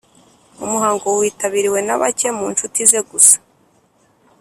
umuhango witabiriwe na bake mu nshuti ze gusa